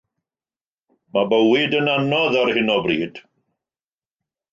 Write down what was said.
Mae bywyd yn anodd ar hyn o bryd.